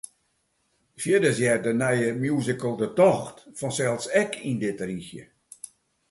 Fierders heart de nije musical ‘De Tocht’ fansels ek yn dit rychje.